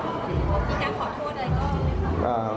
อย่างขอโทษอะไรก็